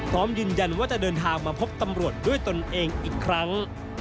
พร้อมยืนยันว่าจะเดินทางมาพบตำรวจด้วยตนเองอีกครั้ง